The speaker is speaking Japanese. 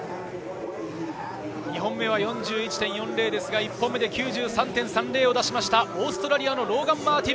２本目は４１．４０ですが、１本目で９３．３０を出しました、ローガン・マーティン。